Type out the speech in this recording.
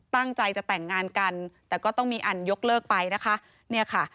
ตั้งใจจะแต่งงานกันแต่ก็ต้องมีอันยกเลิกไปนะคะเนี่ยค่ะ